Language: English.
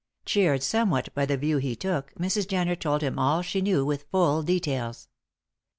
Cheered somewhat by the view he took, Mrs. Jenner told him all she knew with full details.